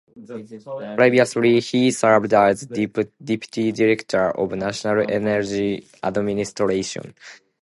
Previously he served as deputy director of National Energy Administration.